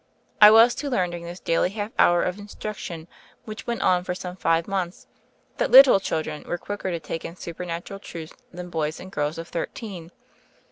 I was to learn during this daily half hour of instruction, which went on for some five months, that little children were quicker to take in supernatural truths than boys and girls of thirteen.